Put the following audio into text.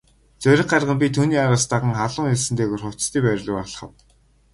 Зориг гарган би түүний араас даган халуун элсэн дээгүүр хувцасны байр руу алхав.